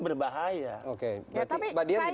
berbahaya oke tapi